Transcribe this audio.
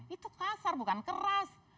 itu kasar bukan keras